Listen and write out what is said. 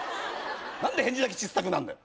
何で返事だけちっさくなんだよ。